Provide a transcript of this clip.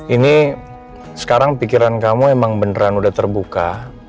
ini sekarang pikiran kamu emang beneran udah terbuka